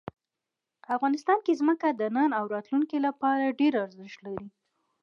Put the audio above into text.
افغانستان کې ځمکه د نن او راتلونکي لپاره ډېر ارزښت لري.